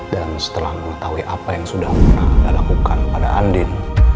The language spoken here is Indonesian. dan setelah mengetahui apa yang sudah anda lakukan pada andin